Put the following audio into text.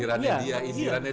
perlu digaris bawahin tuh ya